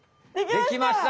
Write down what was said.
できました！